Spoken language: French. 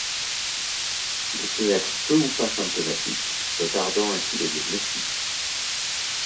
Il peut être peu ou pas symptomatique, retardant ainsi le diagnostic.